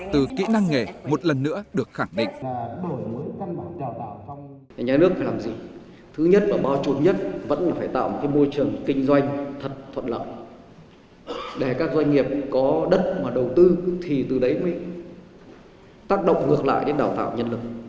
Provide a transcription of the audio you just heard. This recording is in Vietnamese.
từ kỹ năng nghề một lần nữa được khẳng định